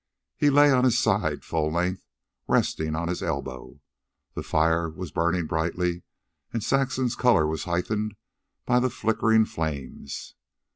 He lay on his side, full length, resting on his elbow. The fire was burning brightly, and Saxon's color was heightened by the flickering flames.